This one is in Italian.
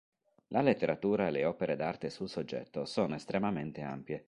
La letteratura e le opere d'arte sul soggetto sono estremamente ampie.